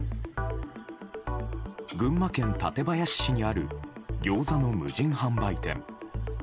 群馬県館林市にあるギョーザの無人販売店。